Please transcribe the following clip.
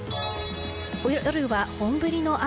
夜は本降りの雨。